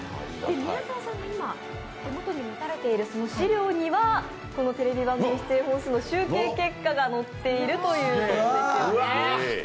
韮澤さんが今、手元に持たれているこのテレビ番組出演本数ランキングの集計結果が載っているということですよね。